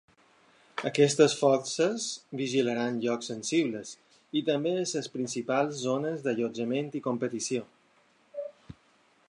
Aquestes forces vigilaran llocs sensibles i també les principals zones d’allotjament i competició.